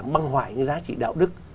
băng hoại những giá trị đạo đức